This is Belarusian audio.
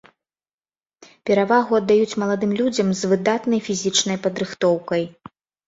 Перавагу аддаюць маладых людзям з выдатнай фізічнай падрыхтоўкай.